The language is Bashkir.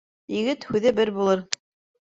Егет һүҙе бер булыр.